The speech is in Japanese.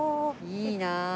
いいなあ。